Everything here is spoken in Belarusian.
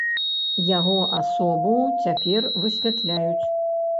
Яго асобу цяпер высвятляюць.